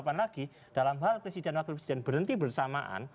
di pasar delapan lagi dalam hal presiden wakil presiden berhenti bersamaan